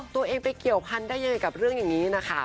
ตัวเองไปเกี่ยวพันธุ์ได้ยังไงกับเรื่องอย่างนี้นะคะ